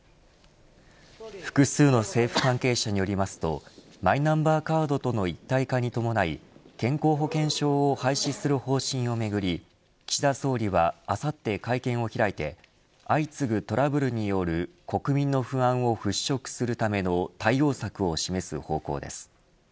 複数の政府関係者によりますとマイナンバーカードとの一体化に伴い健康保険証を廃止する方針をめぐり岸田総理はあさって会見を開いて相次ぐトラブルによる国民の不安を払拭するための対応策を示す方向です。